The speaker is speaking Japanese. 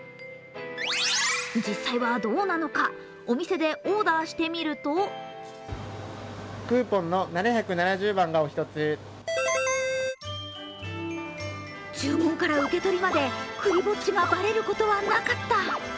実際はどうなのか、お店でオーダーしてみると注文から受け取りまでクリぼっちがバレることはなかった。